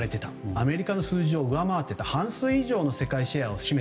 アメリカの数字を上回り半数以上の世界シェアだった。